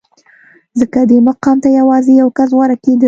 ځکه دې مقام ته یوازې یو کس غوره کېده